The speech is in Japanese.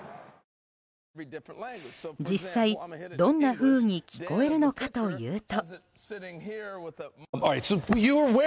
実際、どんなふうに聞こえるのかというと。